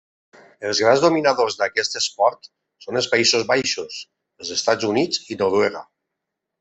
Els grans dominadors d'aquest esport són els Països Baixos, els Estats Units i Noruega.